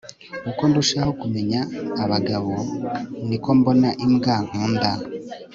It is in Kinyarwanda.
uko ndushaho kumenya abagabo, niko mbona imbwa nkunda